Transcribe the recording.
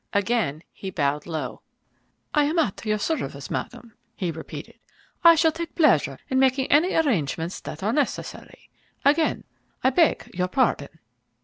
Again he bowed low. "I am at your service, Madam," he repeated. "I shall take pleasure in making any arrangements that are necessary. Again, I beg your pardon."